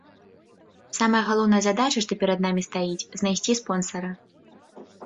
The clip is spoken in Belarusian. Самая галоўная задача, што перад намі стаіць, знайсці спонсара.